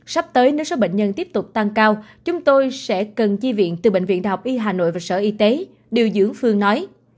sắp tới nếu số bệnh nhân tiếp tục tăng cao chúng tôi sẽ cần chi viện từ bệnh viện đại học y hà nội và sở y tế điều dưỡng phương nói